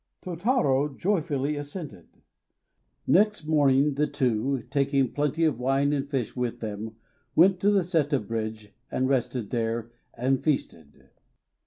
Tôtarô joyfully assented. Next morning the two, taking plenty of wine and fish with them, went to the Séta bridge, and rested there, and feasted.